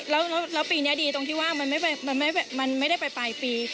เพราะว่าอย่างน้อยแล้วปีนี้ดีตรงที่ว่ามันไม่ได้ไปปลายปี